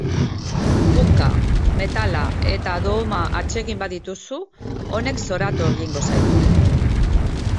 Punka, metala eta dooma atsegin badituzu, honek zoratu egingo zaitu.